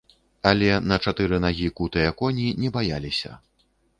Але на чатыры нагі кутыя коні не баяліся.